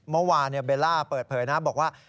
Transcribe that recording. เมื่อวานเบลล่าเปิดเผยนะบอกว่า